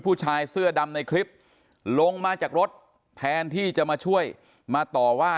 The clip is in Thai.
ผู้ชายเสื้อดำในคลิปลงมาจากรถแทนที่จะมาช่วยมาต่อว่า